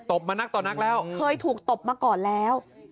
บมานักต่อนักแล้วเคยถูกตบมาก่อนแล้ว